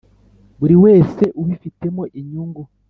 buri wese ubifitemo inyungu